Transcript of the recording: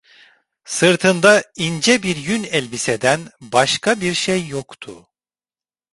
Sırtında ince bir yün elbiseden başka bir şey yoktu.